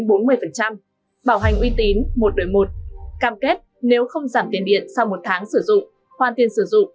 bảo hành uy tín một đối một cam kết nếu không giảm tiền điện sau một tháng sử dụng